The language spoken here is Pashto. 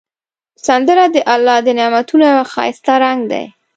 سندره د الله د نعمتونو یو ښایسته رنگ دی